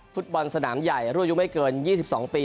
ฟุตบอลสนามใหญ่รุ่นอายุไม่เกิน๒๒ปี